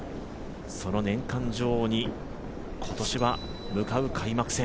その年間女王に今年は向かう開幕戦。